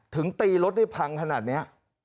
ถึงตีรถได้พังขนาดนี้